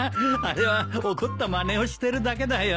あれは怒ったまねをしてるだけだよ。